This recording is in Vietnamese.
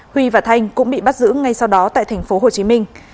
huy và thanh cũng bị bắt giữ ngay sau đó tại tp hồ chí minh